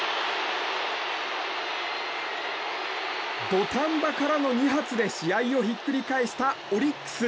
土壇場からの２発で試合をひっくり返したオリックス。